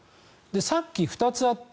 さっき２つあった